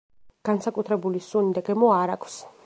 განსაკუთრებული სუნი და გემო არა ქვს.